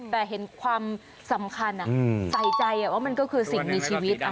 แต่เห็นความสำคัญใส่ใจว่ามันก็คือสิ่งมีชีวิต